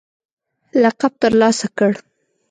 لقب ترلاسه کړ